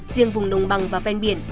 riêng vùng đồng bằng và ven biển